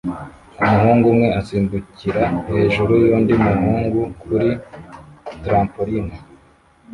Umuhungu umwe asimbukira hejuru yundi muhungu kuri trampoline